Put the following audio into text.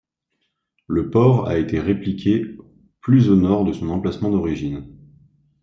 Le port a été répliqué plus au nord de son emplacement d'origine.